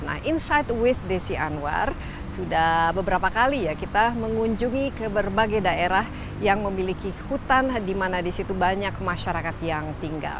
nah insight with desi anwar sudah beberapa kali ya kita mengunjungi ke berbagai daerah yang memiliki hutan di mana di situ banyak masyarakat yang tinggal